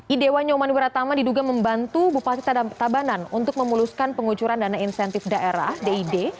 idewa nyoman wiratama diduga membantu bupati tabanan untuk memuluskan pengucuran dana insentif daerah did